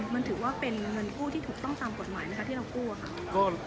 มันถือว่าเป็นเงินกู้ที่ถูกต้องตามกฎหมายไหมคะที่เรากู้ค่ะ